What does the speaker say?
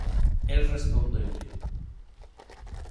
El respondeulle: